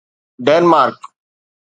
Denmark